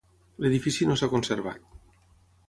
L'edifici no s'ha conservat.